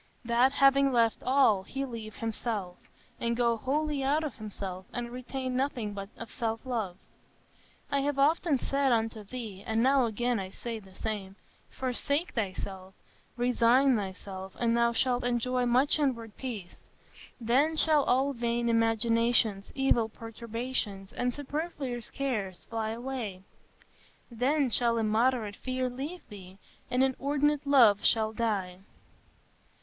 That having left all, he leave himself, and go wholly out of himself, and retain nothing of self love.... I have often said unto thee, and now again I say the same, Forsake thyself, resign thyself, and thou shalt enjoy much inward peace.... Then shall all vain imaginations, evil perturbations, and superfluous cares fly away; then shall immoderate fear leave thee, and inordinate love shall die."